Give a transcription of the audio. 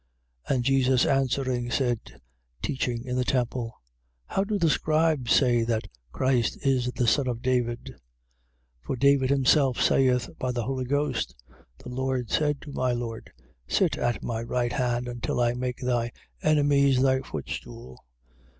12:35. And Jesus answering, said, teaching in the temple: How do the scribes say that Christ is the son of David? 12:36. For David himself saith by the Holy Ghost: The Lord said to my Lord: Sit on my right hand, until I make thy enemies thy footstool.